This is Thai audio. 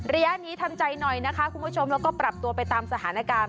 ระยะนี้ทำใจหน่อยนะคะคุณผู้ชมแล้วก็ปรับตัวไปตามสถานการณ์